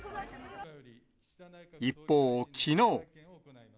一方、きのう。